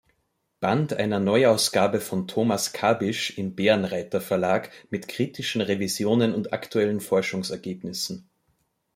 Band einer Neuausgabe von Thomas Kabisch im Bärenreiter-Verlag mit kritischen Revisionen und aktuellen Forschungsergebnissen.